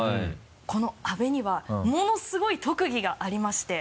この阿部にはものすごい特技がありまして。